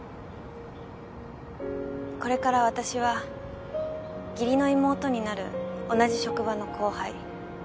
これから私は義理の妹になる同じ職場の後輩